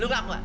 lo ngaku ah